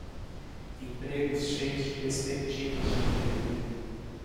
Empregos cheios de perspectivas de emprego